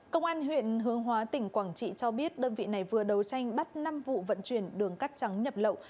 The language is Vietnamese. công an huyện hướng hóa tỉnh quảng trị cho biết đơn vị này vừa đấu tranh bắt năm vụ vận chuyển đường cắt trắng nhập lậu